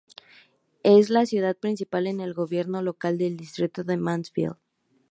Es la ciudad principal en el gobierno local del Distrito de Mansfield.